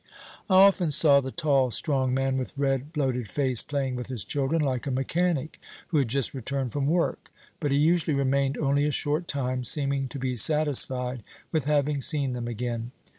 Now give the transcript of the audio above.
"I often saw the tall, strong man, with red, bloated face, playing with his children like a mechanic who had just returned from work. But he usually remained only a short time, seeming to be satisfied with having seen them again.